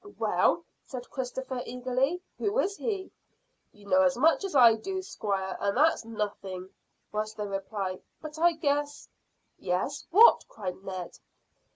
"Well," said Christopher eagerly; "who is he?" "You know as much as I do, squire, and that's nothing," was the reply; "but I guess." "Yes: what?" cried Ned.